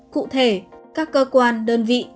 cụ thể các cơ quan đơn vị